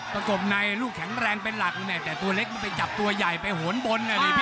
ประกบนายภูมิแข็งแรมเป็นหลักนะแต่ตัวเล็กมันไปจับตัวใหญ่ไปหิวนบนกันนะครับพี่ปะ